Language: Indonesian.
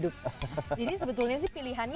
oke kayaknya mirip megang